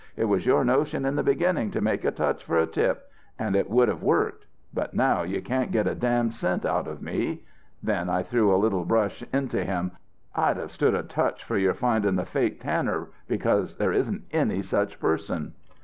It was your notion in the beginning to make a touch for a tip. And it would have worked. But now you can't get a damned cent out of me.' Then I threw a little brush into him: 'I'd have stood a touch for your finding the fake tanner, because there isn't any such person.'